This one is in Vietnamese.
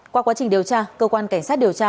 qua quá trình điều tra cơ quan cảnh sát điều tra